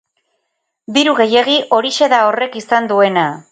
Diru gehiegi, horixe da horrek izan duena.